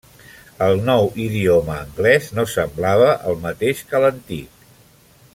El nou idioma anglès no semblava el mateix que l'antic.